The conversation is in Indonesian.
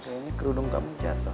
sayangnya kerudung kamu jatoh